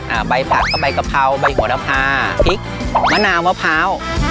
ใบผักก็ใบกะเพราใบหัวระพาพริกมะนาวมะพร้าว